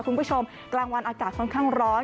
กลางวันอากาศค่อนข้างร้อน